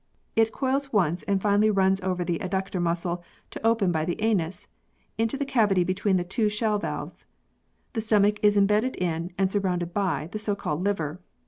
It coils once and finally runs over the adductor muscle to open by the anus into the cavity between the two shell valves. The stomach is embedded in, and surrounded by, the so called liver.